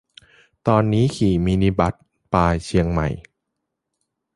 ตอนนี้ขี่มินิบัส ปาย-เชียงใหม่